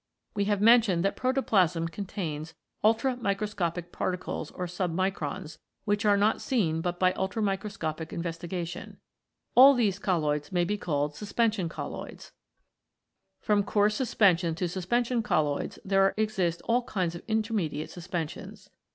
We have mentioned that protoplasm contains ultramicro scopic particles or submicrons, which are not seen but by ultramicroscopic investigation. All these 28 COLLOIDS IN PROTOPLASM colloids may be called Suspension Colloids. From coarse suspensions to suspension colloids there exist all kinds of intermediate suspensions.